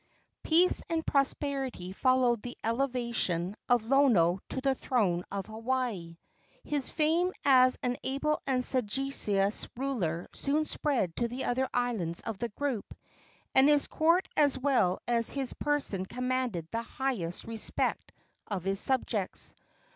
Peace and prosperity followed the elevation of Lono to the throne of Hawaii. His fame as an able and sagacious ruler soon spread to the other islands of the group, and his court as well as his person commanded the highest respect of his subjects.